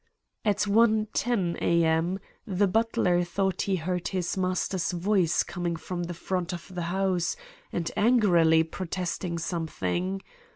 "At 1.10 a.m. the butler thought he heard his master's voice coming from the front of the house, and angrily protesting something.